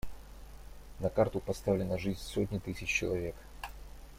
На карту поставлена жизнь сотни тысяч человек.